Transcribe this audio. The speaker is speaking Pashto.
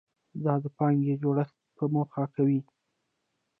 دا د پانګې جوړښت په موخه کوي.